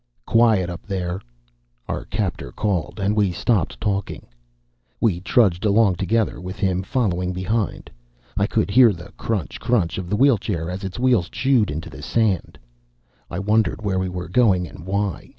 "Quiet up there!" our captor called, and we stopped talking. We trudged along together, with him following behind; I could hear the crunch crunch of the wheelchair as its wheels chewed into the sand. I wondered where we were going, and why.